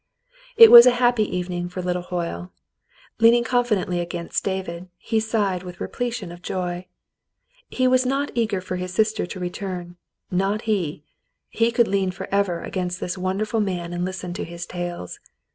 It was a happy evening for little Hoyle. Leaning confidingly against David, he sighed with reple tion of joy. He was not eager for his sister to return — not he. He could lean forever against this wonderful man and listen to his tales.